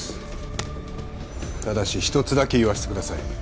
ただし一つだけ言わせてください。